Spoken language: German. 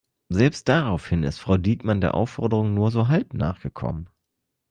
Selbst daraufhin ist Frau Diekmann der Aufforderung nur so halb nachgekommen.